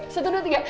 satu dua tiga